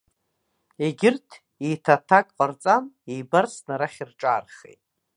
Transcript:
Егьырҭ еиҭа аҭак ҟарҵан, еибарсны арахь рҿаархеит.